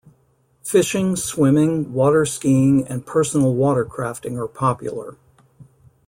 Fishing, swimming, water skiing, and personal watercrafting are popular.